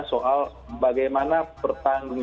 soal bagaimana pertanggung